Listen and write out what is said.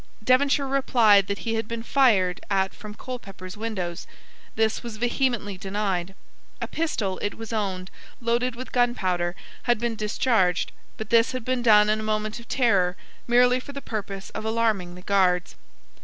Devonshire replied that he had been fired at from Colepepper's windows. This was vehemently denied. A pistol, it was owned, loaded with gunpowder, had been discharged. But this had been done in a moment of terror merely for the purpose of alarming the Guards.